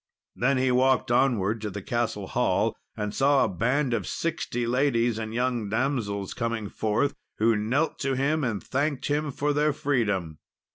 Then he walked onward to the castle hall, and saw a band of sixty ladies and young damsels coming forth, who knelt to him, and thanked him for their freedom.